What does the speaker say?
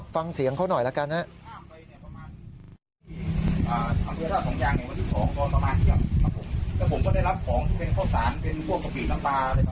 ฟังเสียงเขาหน่อยละกันนะครับ